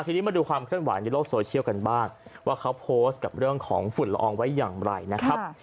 ทีนี้มาดูความเคลื่อนไหวในโลกโซเชียลกันบ้างว่าเขาโพสต์กับเรื่องของฝุ่นละอองไว้อย่างไรนะครับ